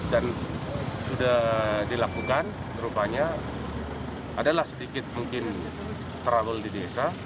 dan sudah dilakukan rupanya adalah sedikit mungkin kerabut di desa